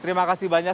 terima kasih banyak